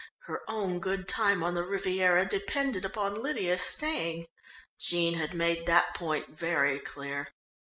Her own good time on the Riviera depended upon Lydia staying. Jean had made that point very clear.